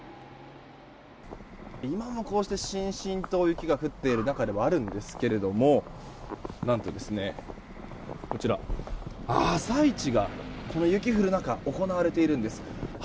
今もこうしてしんしんと雪が降っている中ではあるんですが何と、こちら朝市がこの雪降る中行われているんです。